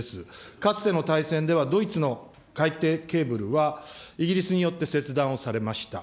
かつての大戦では、ドイツの海底ケーブルはイギリスによって切断をされました。